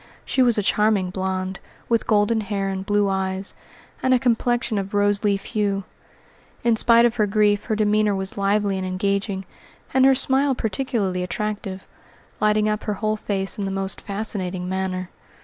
She was a charming blonde, with golden hair and blue eyes, and a complexion of rose leaf hue. In spite of her grief her demeanour was lively and engaging, and her smile particularly attractive, lighting up her whole face in the most fascinating manner.